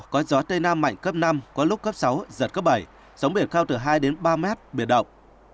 có gió tây nam mạnh cấp năm có lúc cấp sáu giật cấp bảy sóng biển cao từ hai đến ba mét biển động